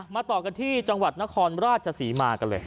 ต่อกันที่จังหวัดนครราชศรีมากันเลย